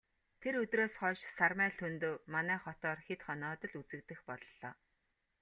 Тэр өдрөөс хойш Сармай Лхүндэв манай хотоор хэд хоноод л үзэгдэх боллоо.